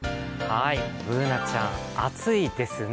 Ｂｏｏｎａちゃん、「暑いですね」